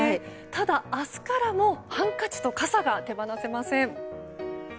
ただ、明日からもハンカチと傘が手放せません。